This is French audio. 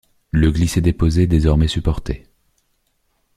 Le glisser-déposer est désormais supporté.